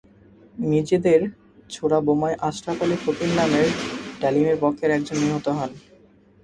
নিজেদের ছোড়া বোমায় আশরাফ আলী ফকির নামের ডালিমের পক্ষের একজন নিহত হন।